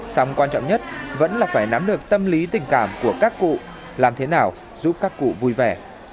xong quan trọng nhất vẫn là phải nắm được tâm lý tình cảm của các cụ làm thế nào giúp các cụ vui vẻ